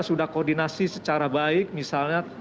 sudah koordinasi secara baik misalnya